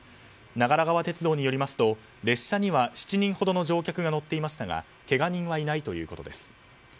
長良川鉄道によりますと列車には７人ほどの乗客が乗っていましたがけが人はいないということです。